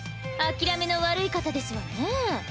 諦めの悪い方ですわね。